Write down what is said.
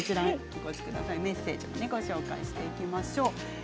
メッセージもご紹介していきましょう。